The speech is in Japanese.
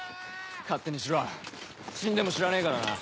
勝手にしろ死んでも知らねえからな。